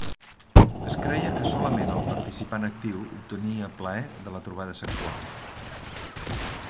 Es creia que solament el participant actiu obtenia plaer de la trobada sexual.